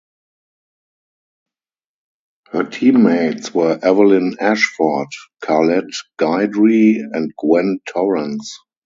Her teammates were Evelyn Ashford, Carlette Guidry and Gwen Torrence.